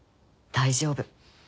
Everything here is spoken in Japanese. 大丈夫。